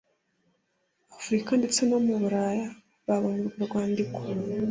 afurika ndetse no mu buraya babonye urwo rwandiko